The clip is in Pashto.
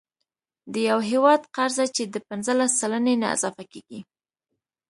د یو هیواد قرضه چې د پنځلس سلنې نه اضافه کیږي،